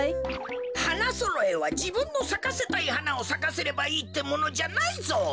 花そろえはじぶんのさかせたいはなをさかせればいいってものじゃないぞ。